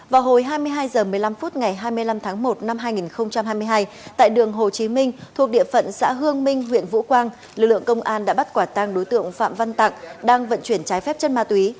vào hồi hai mươi hai h một mươi năm phút ngày hai mươi năm tháng một năm hai nghìn hai mươi hai tại đường hồ chí minh thuộc địa phận xã hương minh huyện vũ quang lực lượng công an đã bắt quả tăng đối tượng phạm văn tặng đang vận chuyển trái phép chân ma túy